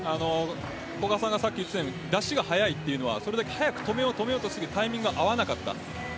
古賀さんがさっき言っていたように出しが早いというのは止めようとするタイミングが合わなかった。